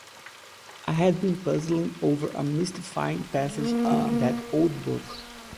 I had been puzzling over a mystifying passage in that old book.